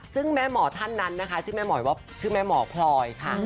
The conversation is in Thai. ซึ่งแม่หมอท่านนั้นนะคะชื่อแม่หมอคลอยค่ะ